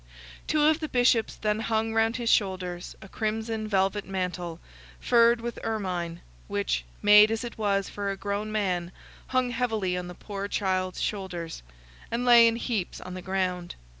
Two of the Bishops then hung round his shoulders a crimson velvet mantle, furred with ermine, which, made as it was for a grown man, hung heavily on the poor child's shoulders, and lay in heaps on the ground.